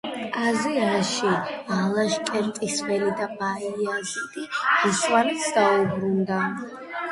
აზიაში ალაშკერტის ველი და ბაიაზიდი ოსმალეთს დაუბრუნდა.